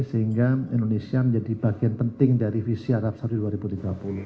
sehingga indonesia menjadi bagian penting dari visi arab saudi dua ribu tiga puluh